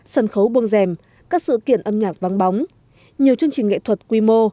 sân khấu buông rèm các sự kiện âm nhạc vắng bóng nhiều chương trình nghệ thuật quy mô